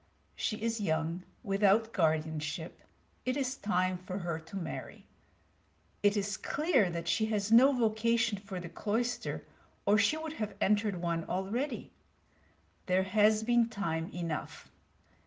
She is young, without guardianship; it is time for her to marry. It is clear that she has no vocation for the cloister, or she would have entered one already. There has been time enough.